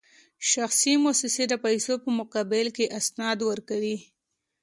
شخصي موسسې د پیسو په مقابل کې اسناد ورکوي